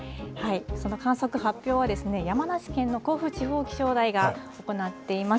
その観測、発表は、山梨県の甲府地方気象台が行っています。